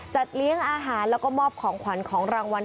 เลี้ยงอาหารแล้วก็มอบของขวัญของรางวัล